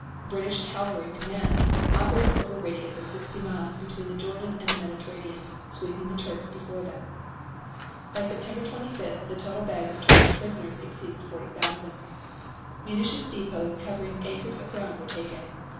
British cavalry commands operated over a radius of sixty miles between the Jordan and the Mediterranean, sweeping the Turks before them. By September 25th the total bag of Turkish prisoners exceeded 40,000. Munition depots covering acres of ground were taken.